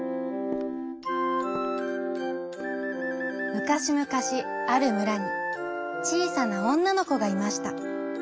むかしむかしあるむらにちいさなおんなのこがいました。